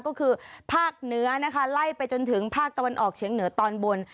ก็คือภาคเหนือนะคะไล่ไปจนถึงภาคตะวันออกเฉียงเหนือตอนบน